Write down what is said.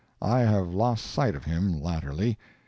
I have lost sight of him, latterly.